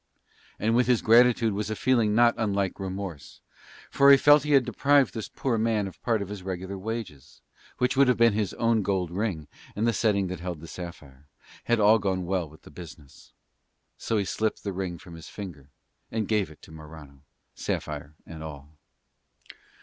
And with his gratitude was a feeling not unlike remorse, for he felt that he had deprived this poor man of a part of his regular wages, which would have been his own gold ring and the setting that held the sapphire, had all gone well with the business. So he slipped the ring from his finger and gave it to Morano, sapphire and all.